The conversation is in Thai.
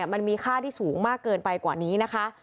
มันมีค่าที่สูงมากเกินไปกว่านี้นะคะ